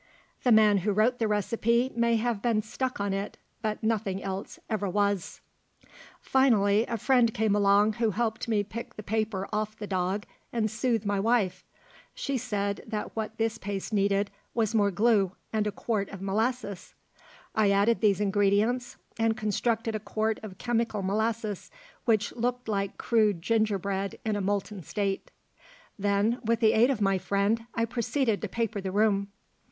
The man who wrote the recipe may have been stuck on it, but nothing else ever was. [Illustration: I LOST MY BALANCE.] Finally a friend came along who helped me pick the paper off the dog and soothe my wife. He said that what this paste needed was more glue and a quart of molasses. I added these ingredients, and constructed a quart of chemical molasses which looked like crude ginger bread in a molten state. Then, with the aid of my friend, I proceeded to paper the room.